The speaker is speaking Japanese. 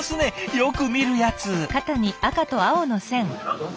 よく見るやつ。